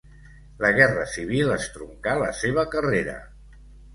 La Guerra Civil estroncà la seva carrera.